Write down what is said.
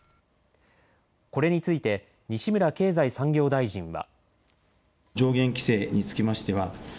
これについて西村経済産業大臣は。